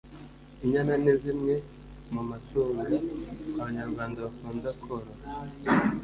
Inyana nizimwe mumatunga abanyarwanda bakunda korora